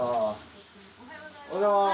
おはようございます。